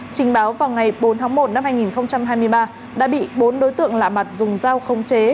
trình báo vào ngày bốn tháng một năm hai nghìn hai mươi ba đã bị bốn đối tượng lạ mặt dùng dao không chế